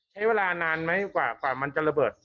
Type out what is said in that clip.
ใช้เวลานานไหมกว่ามันจะระเบิด